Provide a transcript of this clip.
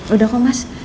udah kok mas